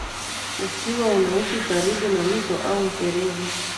ukiwa unaishi karibu na mto au mfereji